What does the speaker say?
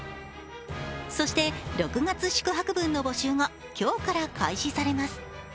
そして、６月宿泊分の募集が今日から開始されます。